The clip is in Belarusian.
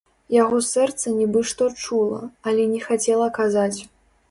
Яго сэрца нібы што чула, але не хацела казаць.